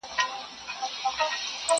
چي وطن یې کړ خالي له غلیمانو؛